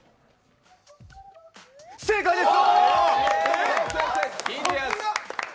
正解です！